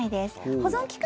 保存期間